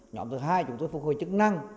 nhóm thứ hai chúng tôi phục hồi chức năng